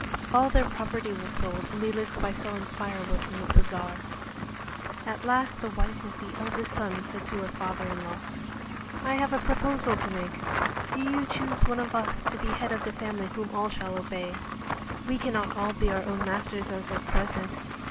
All their property was sold and they lived by selling firewood in the bazar. At last the wife of the eldest son said to her father in law. "I have a proposal to make: Do you choose one of us to be head of the family whom all shall obey; we cannot all be our own masters as at present."